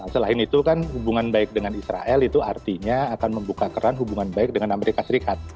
selain itu kan hubungan baik dengan israel itu artinya akan membuka keran hubungan baik dengan amerika serikat